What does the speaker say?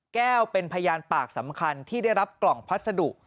แก้วเป็นพยานปากสำคัญที่ได้รับกล่องพัสดุ